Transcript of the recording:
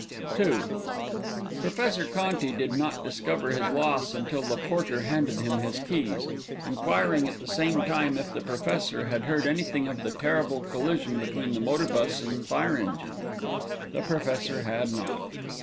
II Professor Conti did not discover his loss until the porter handed him his keys, enquiring at the same time if the Professor had heard anything of the terrible collision between the motor bus and fire engine. The Professor had not.